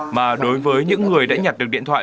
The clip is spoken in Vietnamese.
mà đối với những người đã nhặt được điện thoại